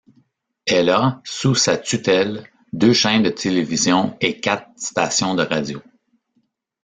Elle a sous sa tutelle deux chaînes de télévision et quatre stations de radio.